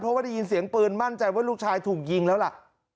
เพราะว่าได้ยินเสียงปืนมั่นใจว่าลูกชายถูกยิงแล้วล่ะ